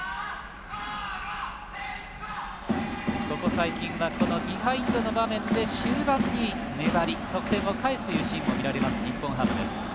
最近はビハインドの場面で終盤に粘り得点を返すというシーンも見られます、日本ハム。